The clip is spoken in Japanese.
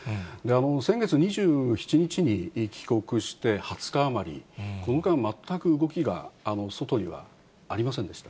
先月２７日に帰国して２０日余り、この間、全く動きが、外にはありませんでした。